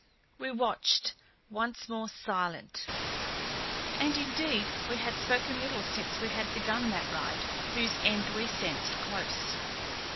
We watched, once more silent; and indeed we had spoken little since we had begun that ride whose end we sensed close.